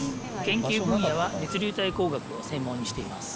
研究分野は物流体工学を専門にしています。